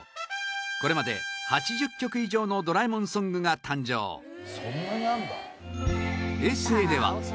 これまで、８０曲以上のドラえもんソングが誕生平成では